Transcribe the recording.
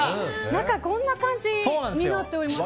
中、こんな感じになっております。